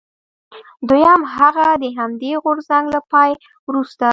دویم هغه د همدې غورځنګ له پای وروسته.